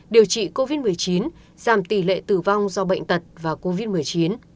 điều trị covid một mươi chín giảm tỷ lệ tử vong do bệnh tật và covid một mươi chín